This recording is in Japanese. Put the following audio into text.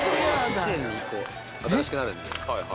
１年に１個、新しくなるんで。